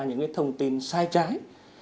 những thông tin sai trái